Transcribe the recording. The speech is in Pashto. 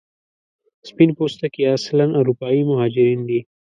سپین پوستکي اصلا اروپایي مهاجرین دي.